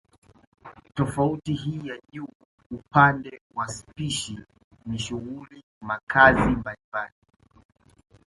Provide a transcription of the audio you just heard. Tofauti hii ya juu upande wa spishi ni shughuli makazi mbalimbali